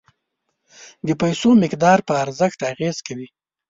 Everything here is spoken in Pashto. د پیسو مقدار په ارزښت اغیز کوي.